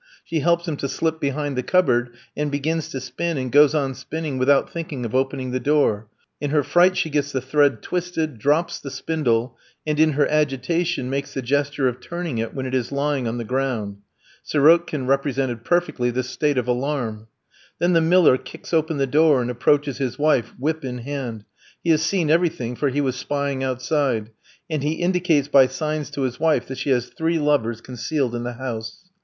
She helps him to slip behind the cupboard, and begins to spin, and goes on spinning without thinking of opening the door. In her fright she gets the thread twisted, drops the spindle, and, in her agitation, makes the gesture of turning it when it is lying on the ground. Sirotkin represented perfectly this state of alarm. Then the miller kicks open the door and approaches his wife, whip in hand. He has seen everything, for he was spying outside; and he indicates by signs to his wife that she has three lovers concealed in the house.